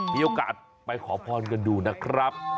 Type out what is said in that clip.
มีโอกาสไปขอพรกันดูนะครับ